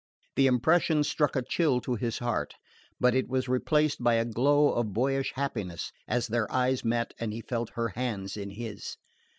The impression struck a chill to his heart; but it was replaced by a glow of boyish happiness as their eyes met and he felt her hands in his.